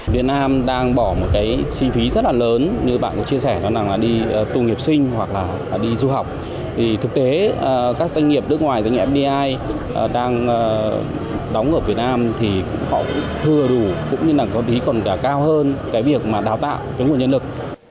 việt nam đang bỏ một cái suy phí rất là lớn như bạn có chia sẻ đó là đi tù nghiệp sinh hoặc là đi du học thực tế các doanh nghiệp nước ngoài doanh nghiệp fdi đang đóng ở việt nam thì họ thừa đủ cũng như là có thí còn cả cao hơn cái việc mà đào tạo cho nguồn nhân lực